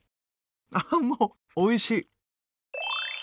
ああもうおいしい！